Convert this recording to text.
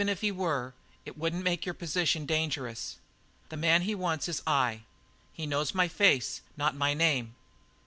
"Even if he were, it wouldn't make your position dangerous. The man he wants is I. He knows my face not my name.